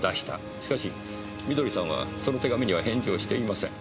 しかし美登里さんはその手紙には返事をしていません。